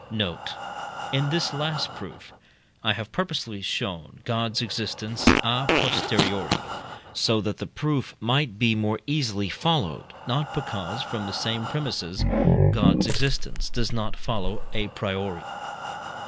Note. In this last proof, I have purposely shown God's existence à posteriori, so that the proof might be more easily followed, not because, from the same premises, God's existence does not follow à priori.